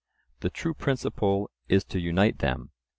The true principle is to unite them.